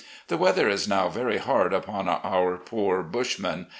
"The weather is now very hard upon our poor bush men.